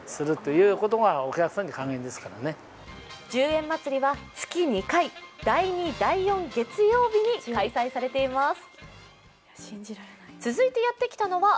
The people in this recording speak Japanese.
１０円祭りは月２回、第２第４月曜日に開催されています。